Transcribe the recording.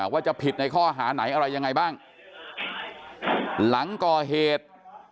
ว่าจะผิดในข้อหาไหนอะไรยังไงบ้างหลังก่อเหตุ